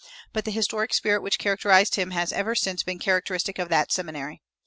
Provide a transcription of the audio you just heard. But the historic spirit which characterized him has ever since been characteristic of that seminary.